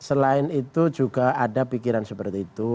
selain itu juga ada pikiran seperti itu